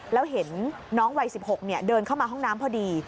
แล้วเห็นน้องวัย๑๖เดินเข้ามาห้องน้ำพอดี